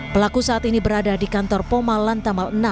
pelaku saat ini berada di kantor poma lantamal enam